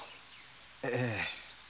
ええ。